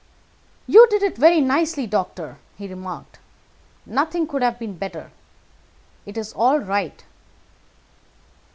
"You did it very nicely, doctor," he remarked. "Nothing could have been better. It is all right."